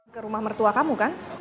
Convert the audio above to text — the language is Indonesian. ke rumah mertua kamu kan